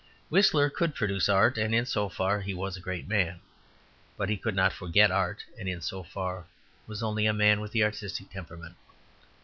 Whistler could produce art; and in so far he was a great man. But he could not forget art; and in so far he was only a man with the artistic temperament.